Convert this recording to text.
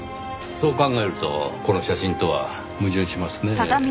そう考えるとこの写真とは矛盾しますねぇ。